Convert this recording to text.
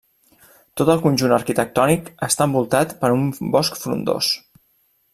Tot el conjunt arquitectònic està envoltat per un bosc frondós.